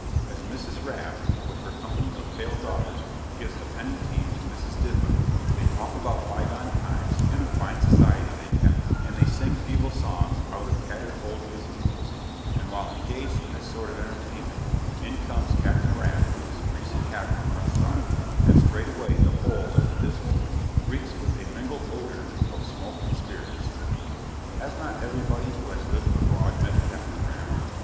As Mrs. Raff, with her company of pale daughters, gives a penny tea to Mrs. Diddler, they talk about bygone times and the fine society they kept; and they sing feeble songs out of tattered old music books; and while engaged in this sort of entertainment, in comes Captain Raff with his greasy hat on one side, and straightway the whole of the dismal room reeks with a mingled odour of smoke and spirits. Has not everybody who has lived abroad met Captain Raff?